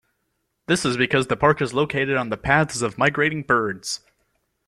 This is because the park is located on the paths of migrating birds.